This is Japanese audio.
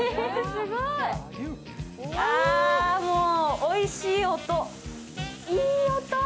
あ、もうおいしい音、いい音。